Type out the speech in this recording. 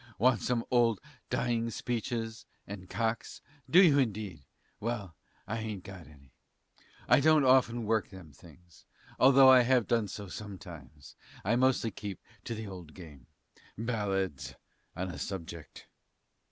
Want some old 'Dying Speeches' and 'Cocks,' do you indeed; well, I a'nt got any I don't often 'work' them things, although I have done so sometimes, but I mostly keep to the old game 'Ballads on a Subject.